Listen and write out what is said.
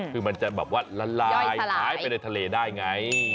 คือมันจะแบบว่าละลายหายไปในทะเลได้ไง